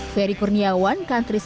ferry kurniawan keputusan kesehatan